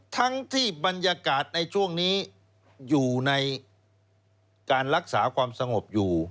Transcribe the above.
ทั้งที่บรรยากาศในช่วงนี้อยู่ในการรักษาความสงบอยู่